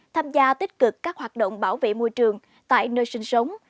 tham gia tích cực các hoạt động bảo vệ môi trường tại nơi sinh sống